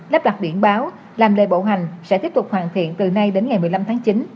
lắp đặt biển báo làm lệ bộ hành sẽ tiếp tục hoàn thiện từ nay đến ngày một mươi năm tháng chín